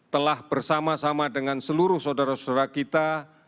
telah bersama sama dengan seluruh saudara saudara kita